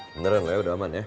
beneran lah ya udah aman ya